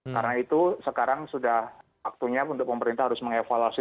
karena itu sekarang sudah waktunya untuk pemerintah harus mengevaluasi